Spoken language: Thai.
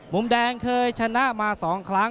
มุมแดงเคยชนะมา๒ครั้ง